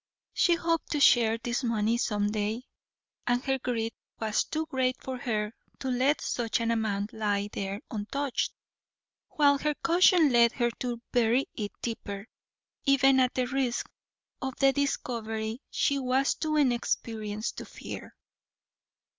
She hoped to share this money some day, and her greed was too great for her to let such an amount lie there untouched, while her caution led her to bury it deeper, even at the risk of the discovery she was too inexperienced to fear.